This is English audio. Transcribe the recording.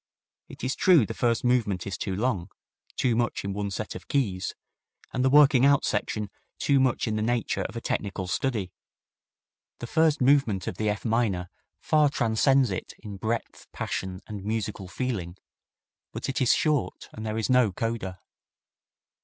It is true the first movement is too long, too much in one set of keys, and the working out section too much in the nature of a technical study. The first movement of the F minor far transcends it in breadth, passion and musical feeling, but it is short and there is no coda.